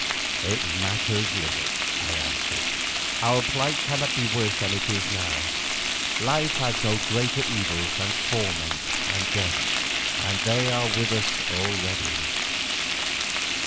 "It matters little," I answered. "Our plight cannot be worse than it is now; life has no greater evils than torment and death, and they are with us already."